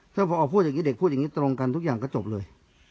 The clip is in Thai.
ถ้าพอพูดอย่างนี้เด็กพูดอย่างนี้ตรงกันทุกอย่างก็จบเลย